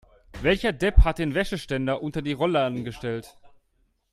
Welcher Depp hat den Wäscheständer unter den Rollladen gestellt?